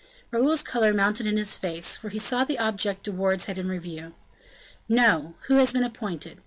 Raoul's color mounted in his face; for he saw the object De Wardes had in view. "No; who has been appointed?